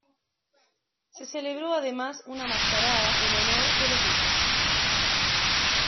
Se celebró además una mascarada en honor de los duques.